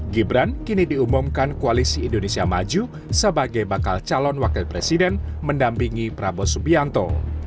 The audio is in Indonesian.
gibran kini diumumkan koalisi indonesia maju sebagai bakal calon wakil presiden mendampingi prabowo subianto